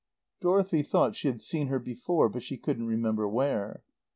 Dorothy thought she had seen her before, but she couldn't remember where.